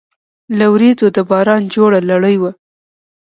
له وریځو د باران جوړه لړۍ وه